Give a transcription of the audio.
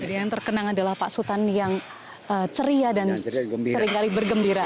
yang terkenang adalah pak sultan yang ceria dan seringkali bergembira